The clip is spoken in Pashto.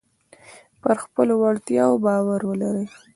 پر خپلو وړتیاو باور ولرئ.